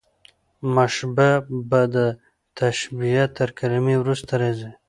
مشبه به، د تشبېه تر کلمې وروسته راځي.